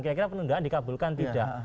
kira kira penundaan dikabulkan tidak